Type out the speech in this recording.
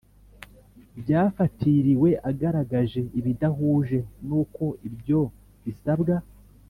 Byafatiriwe agaragaje ibidahuje n uko ibyo bisabwa